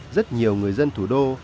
rất nhiều người dân thủ đô